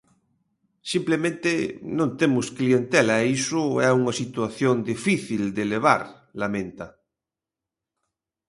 Simplemente non temos clientela e iso é unha situación difícil de levar, lamenta.